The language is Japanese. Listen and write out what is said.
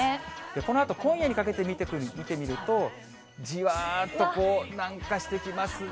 このあと今夜にかけて見てみると、じわーっとこう、南下してきますね。